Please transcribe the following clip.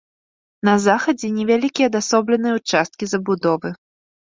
На захадзе невялікія адасобленыя ўчасткі забудовы.